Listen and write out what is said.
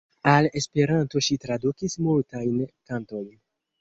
Al Esperanto ŝi tradukis multajn kantojn.